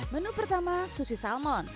menu pertama sushi salmon